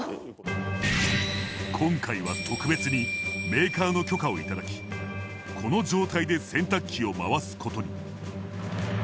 今回は特別にメーカーの許可を頂きこの状態で洗濯機を回すことに。